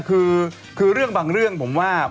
คือเรื่องบางเรื่องผมว่า